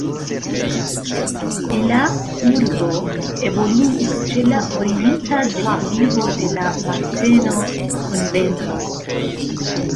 La urbo evoluis ĉe la orienta deklivo de la Marteno-konvento.